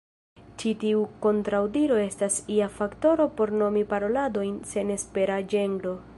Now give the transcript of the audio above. Ĉi tiu kontraŭdiro estas ja faktoro por nomi paroladojn senespera ĝenro.